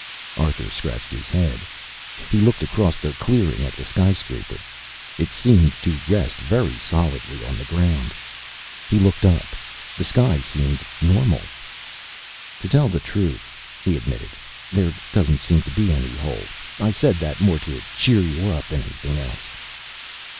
Arthur scratched his head. He looked across the clearing at the skyscraper. It seemed to rest very solidly on the ground. He looked up. The sky seemed normal. "To tell the truth," he admitted, "there doesn't seem to be any hole. I said that more to cheer you up than anything else."